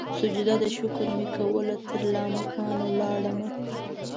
سجده د شکر مې کول ترلا مکان ولاړمه